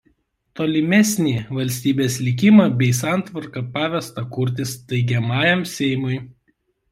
Tolimesnį valstybės likimą bei santvarką pavesta kurti Steigiamajam Seimui.